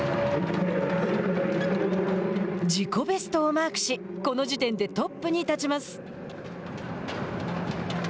自己ベストをマークしこの時点でトップに立ちます。